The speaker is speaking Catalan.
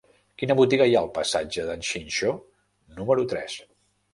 Quina botiga hi ha al passatge d'en Xinxó número tres?